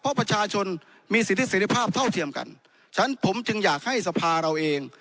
เพราะประชาชนมีสิทธิเสร็จภาพเท่าเทียมกันฉะนั้นผมจึงอยากให้สภาเราเอง